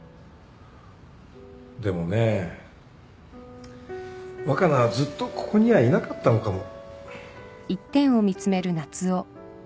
でもね若菜はずっとここにはいなかったのかも。